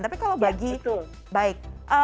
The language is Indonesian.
tapi kalau bagi baik